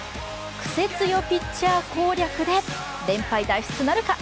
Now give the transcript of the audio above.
癖つよピッチャー攻略で連敗脱出なるか。